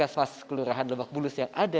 puskasmas kelurahan lebak bulus jakarta selatan